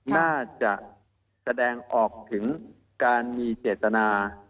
น่าจะแสดงออกถึงการมีเจตนา